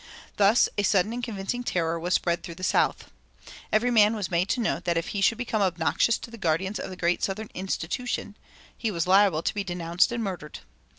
Thus a sudden and convincing terror was spread through the South. Every man was made to know that if he should become obnoxious to the guardians of the great southern 'institution' he was liable to be denounced and murdered.